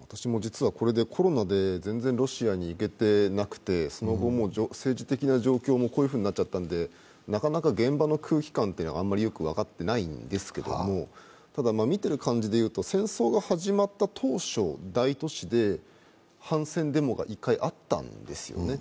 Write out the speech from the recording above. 私も実はコロナで全然ロシアに行けてなくて、政治的な状況もこういうふうになっちゃったのでなかなか現場の空気感があまりよく分かっていないのですけれども、ただ見ている感じで言うと、戦争が始まった当初、大都市で反戦デモが１回あったんですよね。